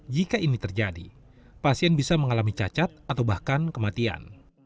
jika ini terjadi pasien bisa mengalami cacat atau bahkan kematian